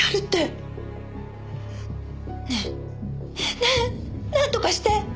ねぇねぇなんとかして。